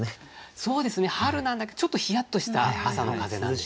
そうですね春なんだけどちょっとヒヤッとした朝の風なんでしょうね。